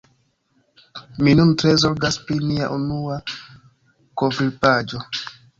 Mi nun tre zorgas pri nia unua kovrilpaĝo.